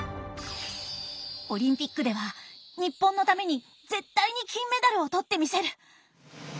オリンピックでは日本のために絶対に金メダルを取ってみせる！